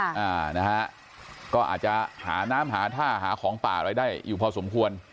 อ่านะฮะก็อาจจะหาน้ำหาท่าหาของป่าอะไรได้อยู่พอสมควร